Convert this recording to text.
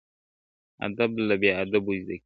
ادب له بې ادبو زده کېږي.